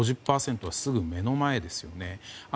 ５０％はすぐ目の前ですよね。